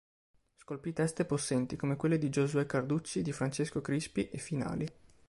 Scolpì teste possenti, come quelle di "Giosuè Carducci", di "Francesco Crispi" e "Finali".